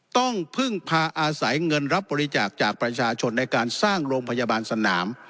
ต้องพึ่งพาอาศัยเงินรับบริจาคจากประชาชนในการสร้างโรงพยาบาลสนาม